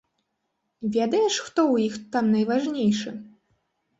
Ведаеш, хто ў іх там найважнейшы?